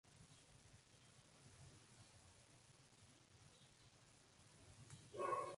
El edificio fue proyectado por Teodoro Anasagasti, Joaquín Otamendi y Antonio Palacios.